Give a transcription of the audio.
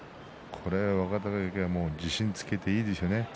若隆景は自信をつけて、いいですね。